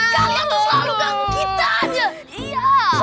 kalian selalu gang kita aja